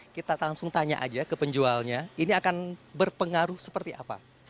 kita langsung tanya aja ke penjualnya ini akan berpengaruh seperti apa